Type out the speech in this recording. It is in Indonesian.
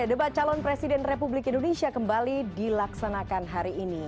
debat calon presiden republik indonesia kembali dilaksanakan hari ini